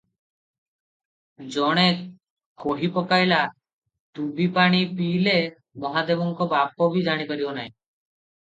ଜଣେ କହିପକାଇଲା, ଡୁବିପାଣି ପିଇଲେ ମହାଦେବଙ୍କ ବାପ ବି ଜାଣିପାରିବ ନାହିଁ ।